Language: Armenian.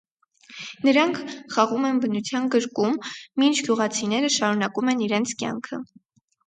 Նրանք խաղում են բնության գրկում, մինչ գյուղացիները շարունակում են իրենց կյանքը։